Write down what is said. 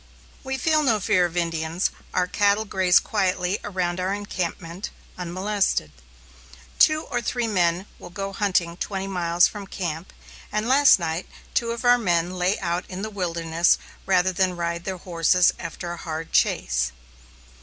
We feel no fear of Indians, our cattle graze quietly around our encampment unmolested. Two or three men will go hunting twenty miles from camp; and last night two of our men lay out in the wilderness rather than ride their horses after a hard chase.